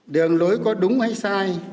đường lối có đúng hay sai